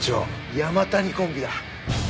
山谷コンビ？